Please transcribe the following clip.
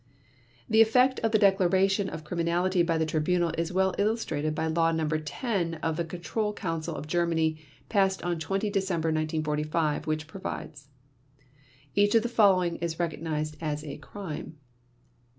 The effect of the declaration of criminality by the Tribunal is well illustrated by Law Number 10 of the Control Council of Germany passed on 20 December 1945, which provides: "Each of the following acts is recognized as a crime